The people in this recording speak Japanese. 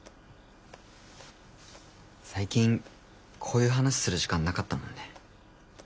最近こういう話する時間なかったもんね。